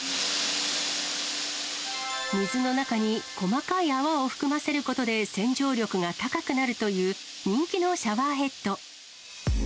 水の中に細かい泡を含ませることで、洗浄力が高くなるという、人気のシャワーヘッド。